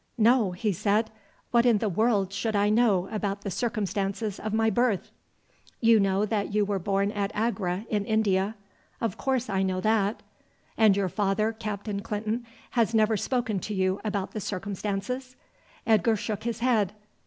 "No," he said. "What in the world should I know about the circumstances of my birth?" "You know that you were born at Agra in India?" "Of course I know that." "And your father, Captain Clinton, has never spoken to you about the circumstances?" Edgar shook his head.